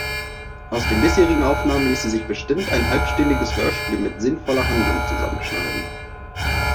Aus den bisherigen Aufnahmen ließe sich bestimmt ein halbstündiges Hörspiel mit sinnvoller Handlung zusammenschneiden.